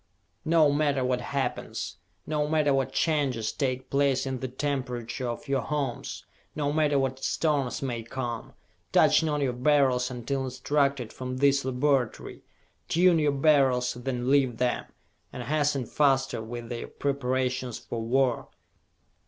"No matter what happens, no matter what changes take place in the temperature of your homes, no matter what storms may come, touch not your Beryls until instructed from this laboratory! Tune your Beryls, then leave them, and hasten faster with your preparations for war!